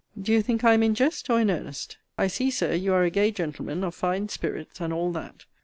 Do you think I am in jest, or in earnest? I see, Sir, you are a gay gentleman, of fine spirits, and all that.